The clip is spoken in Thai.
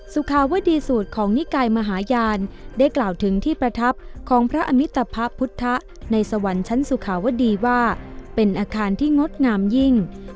สุขาวดีสูตรของนิกายมหาญาณได้กล่าวถึงที่ประทับของพระอมิตภะพุทธในสวรรค์ชั้นสุขาวดีว่าเป็นอาคารที่งดงามยิ่ง